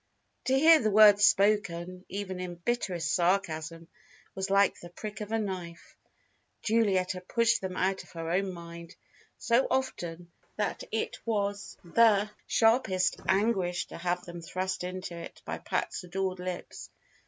To hear the words spoken, even in bitterest sarcasm, was like the prick of a knife. Juliet had pushed them out of her own mind so often that it was sharpest anguish to have them thrust into it by Pat's adored lips.